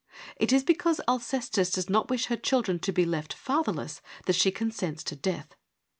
It is because Alcestis does not wish her children to be left father less that she consents to death.